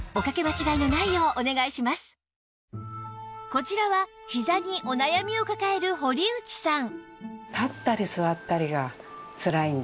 こちらはひざにお悩みを抱える堀内さん